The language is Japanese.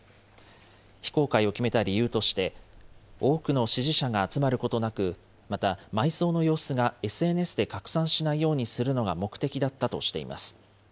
非公開を決めた理由として、多くの支持者が集まることなく、また埋葬の様子がＳＮＳで拡散しないようにするのが目的だったとしています。